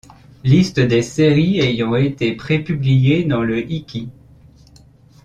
Liste des séries ayant été pré-publiées dans le Ikki..